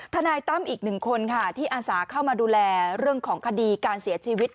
ทนายตั้มอีกหนึ่งคนค่ะที่อาสาเข้ามาดูแลเรื่องของคดีการเสียชีวิต